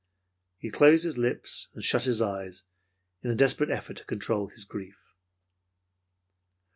He closed his lips and shut his eyes in a desperate effort to control his grief.